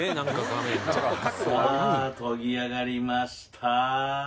さあ研ぎ上がりました。